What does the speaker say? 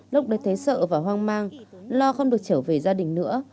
lúc đấy thấy sợ và hoang mang lo không được trở về gia đình nữa